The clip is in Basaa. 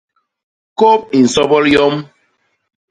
Kôp i nsobol yom.